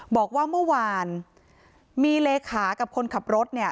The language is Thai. บอกว่าเมื่อวานมีเลขากับคนขับรถเนี่ย